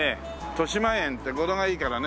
「豊島園」って語呂がいいからね。